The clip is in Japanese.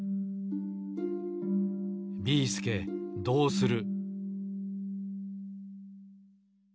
ビーすけどうする！？